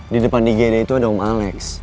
di depan di gede itu ada om alex